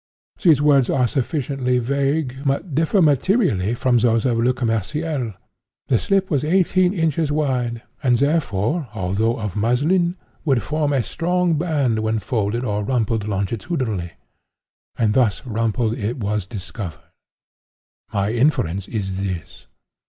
These words are sufficiently vague, but differ materially from those of Le Commerciel. The slip was eighteen inches wide, and therefore, although of muslin, would form a strong band when folded or rumpled longitudinally. And thus rumpled it was discovered. My inference is this.